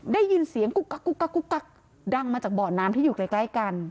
ได้ยินเสียงกุ๊กกักดังมาจากบ่อน้ำที่อยู่ใกล้กัน